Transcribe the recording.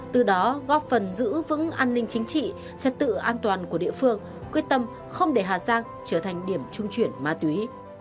từ đó góp phần giữ vững an ninh chính trị trật tự an toàn của địa phương quyết tâm không để hà giang trở thành điểm trung chuyển ma túy